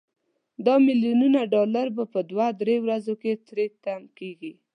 دا ملیونونه ډالر په دوه درې ورځو کې تري تم کیږي.